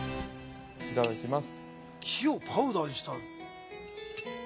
いただきます